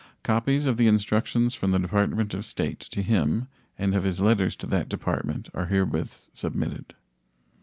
Copies of the instructions from the Department of State to him and of his letters to that Department are herewith submitted.